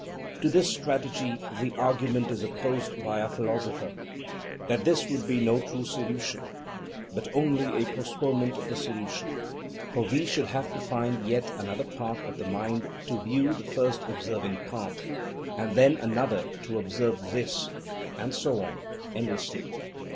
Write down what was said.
To this strategy the argument is opposed by our philosopher, that this would be no true solution, but only a postponement of the solution. For we should have to find yet another part of the mind to view the first observing part, and then another to observe this, and so on, endlessly.